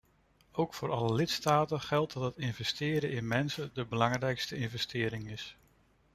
Ook voor alle lidstaten geldt dat het investeren in mensen de belangrijkste investering is.